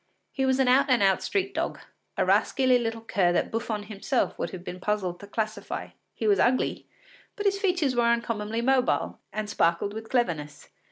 He was an out and out street dog, a rascally little cur that Buffon himself would have been puzzled to classify. He was ugly, but his features were uncommonly mobile and sparkled with cleverness.